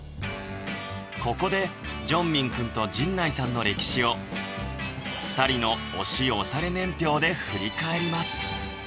ここでジョンミン君と陣内さんの歴史を２人の推し推され年表で振り返ります